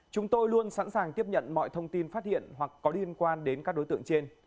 chúng tôi luôn sẵn sàng tiếp nhận mọi thông tin phát hiện hoặc có liên quan đến các đối tượng trên